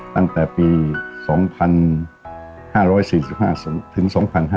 ตั้งแต่ปี๒๕๔๕ถึง๒๕๕๙